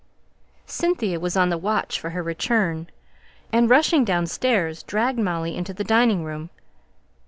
Cynthia was on the watch for her return, and, rushing downstairs, dragged Molly into the dining room.